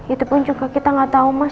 itu pun juga kita nggak tahu mas